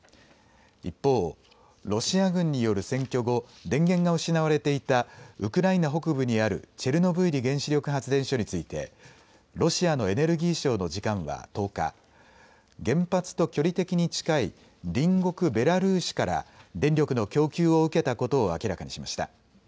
一方、ロシア軍による占拠後、電源が失われていたウクライナ北部にあるチェルノブイリ原子力発電所についてロシアのエネルギー省の次官は１０日、原発と距離的に近い隣国ベラルーシから電力の供給を受けたことを明らかにしました。